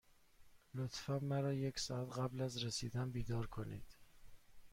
لطفا مرا یک ساعت قبل از رسیدن بیدار کنید.